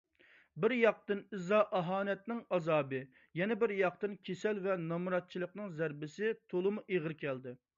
بىرياقتىن ئىزا - ئاھانەتنىڭ ئازابى، يەنە بىرياقتىن كېسەل ۋە نامراتچىلىقنىڭ زەربىسى تولىمۇ ئېغىر كەلدى.